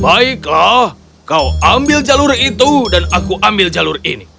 baiklah kau ambil jalur itu dan aku ambil jalur ini